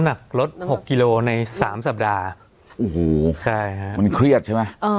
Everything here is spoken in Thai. สวัสดีครับทุกผู้ชม